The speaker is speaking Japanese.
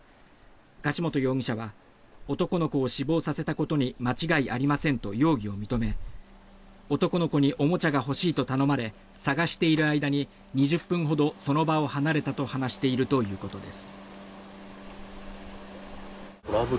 柏本容疑者は男の子を死亡させたことに間違いありませんと容疑を認め男の子におもちゃが欲しいと頼まれ探している間に２０分ほどその場を離れたと話しているということです。